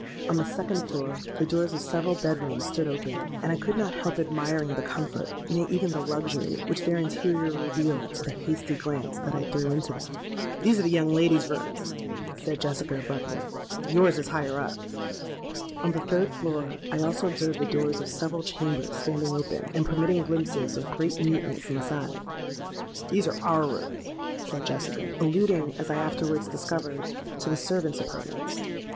On the second floor, the doors of several bed rooms stood open; and I could not help admiring the comfort—nay, even the luxury, which their interior revealed to the hasty glance that I threw into them. 'These are the young ladies' rooms,' said Jessica abruptly: 'yours is higher up.' On the third floor I also observed the doors of several chambers standing open, and permitting glimpses of great neatness inside. 'These are our rooms,' said Jessica—alluding, as I afterwards discovered, to the servants' apartments.